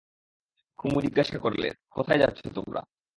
কুমু জিজ্ঞাসা করলে, কোথায় যাচ্ছ তোমরা?